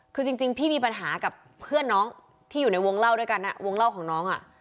คือจริงพี่มีปัญหากับเพื่อนน้องที่อยู่ในวงเล่าด้วยกันวงเล่าของน้องอ่ะ